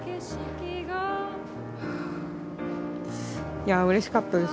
いやうれしかったです。